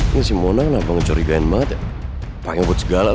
ini si mona kenapa ngecurigain mba aja pake buat segala lagi